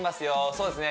そうですね